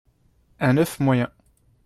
un oeuf moyen